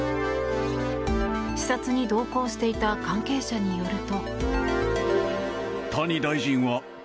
視察に同行していた関係者によると。